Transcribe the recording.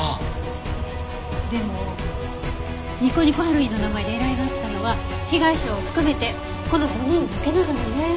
でもにこにこハロウィーンの名前で依頼があったのは被害者を含めてこの５人だけなのよね。